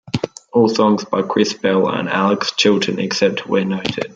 All songs by Chris Bell and Alex Chilton, except where noted.